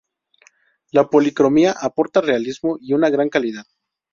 La policromía aporta realismo y una gran calidad.